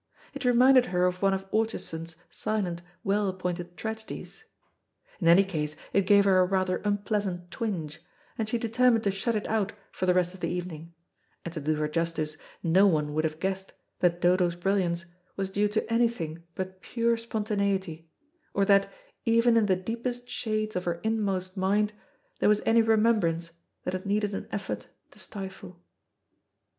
It reminded her of one of Orchardson's silent, well appointed tragedies. In any case it gave her a rather unpleasant twinge, and she determined to shut it out for the rest of the evening, and, to do her justice, no one would have guessed that Dodo's brilliance was due to anything but pure spontaneity, or that, even in the deepest shades of her inmost mind, there was any remembrance that it needed an effort to stifle.